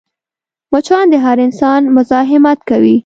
مچان د هر انسان مزاحمت کوي